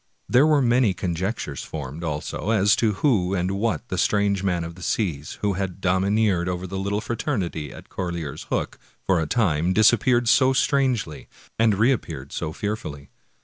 There were many conjectures formed, also, as to who and what was the strange man of the seas, who had domi neered over the little fraternity at Corlear's Hook for a time, disappeared so strangely, and reappeared so fearfully.